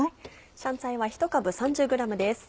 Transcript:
香菜は１株３０ｇです。